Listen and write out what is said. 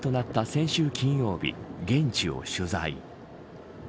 先週金曜日現地を取材。